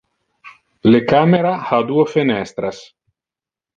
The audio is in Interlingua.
Le camera ha duo fenestras.